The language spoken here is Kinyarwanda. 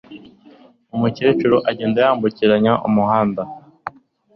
Umukecuru agenda yambukiranya umuhanda.